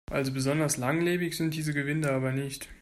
Also besonders langlebig sind diese Gewinde aber nicht.